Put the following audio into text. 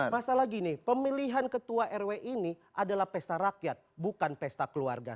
masalah gini pemilihan ketua rw ini adalah pesta rakyat bukan pesta keluarga